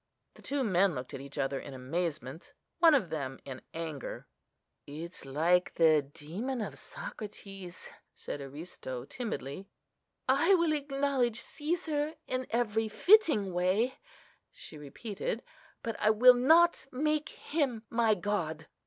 The two men looked at each other in amazement: one of them in anger. "It's like the demon of Socrates," said Aristo, timidly. "I will acknowledge Cæsar in every fitting way," she repeated; "but I will not make him my God."